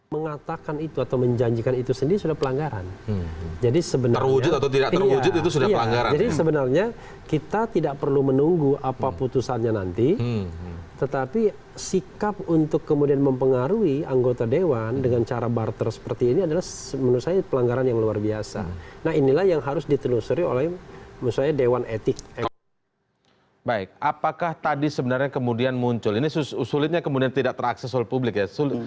baik apakah tadi sebenarnya kemudian muncul ini sulitnya kemudian tidak terakses oleh publik ya